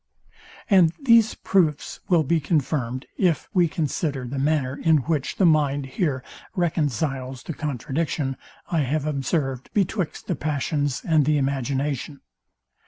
And these proofs will be confirmed, if we consider the manner in which the mind here reconciles the contradiction, I have observed betwixt the passions and the imagination.